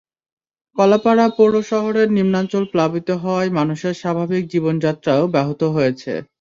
কলাপাড়া পৌর শহরের নিম্নাঞ্চল প্লাবিত হওয়ায় মানুষের স্বাভাবিক জীবনযাত্রাও ব্যাহত হয়েছে।